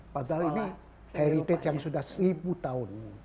padahal ini heritage yang sudah seribu tahun